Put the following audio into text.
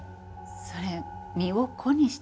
それ「身をコにして」では？